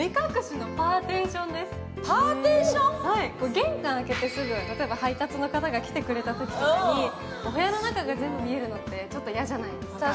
玄関開けてすぐ、例えば配達の方が来てくれたときにお部屋の中が全部見えるのって、ちょっと嫌じゃないですか。